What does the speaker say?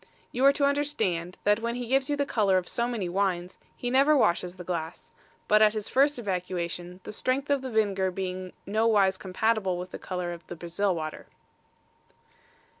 You are to understand, that when he gives you the colour of so many wines, he never washes the glass, but at his first evacuation, the strength of the vinegar being no wise compatible with the colour of the Brazil water.